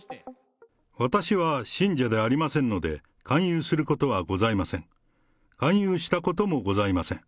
私は信者でありませんので、勧誘することはございません。